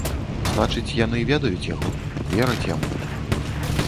Значыць, яны ведаюць яго, вераць яму.